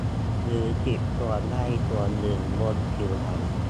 หรือติดส่วนใดส่วนหนึ่งบนผิวหนัง